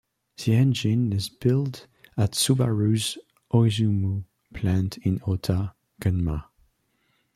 The engine is built at Subaru's Oizumi Plant in Ota, Gunma.